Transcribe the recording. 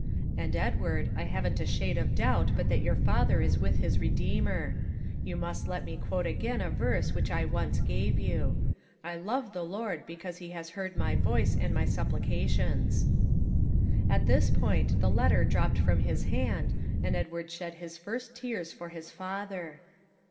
And, Edward, I haven't a shade of doubt but that your father is with his Redeemer; you must let me quote again a verse which I once gave you: 'I love the Lord, because He has heard my voice and my supplications.'" And at this point the letter dropped from his hand, and Edward shed his first tears for his father.